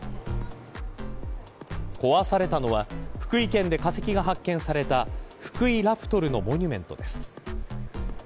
壊されたのは福井県で化石が発見されたフクイラプトルのモニュメントです。